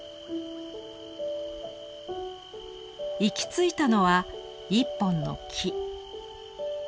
行き着いたのは１本の木。